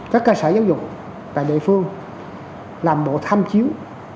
các cơ sở giáo dục tại địa phương làm bộ tham chiếu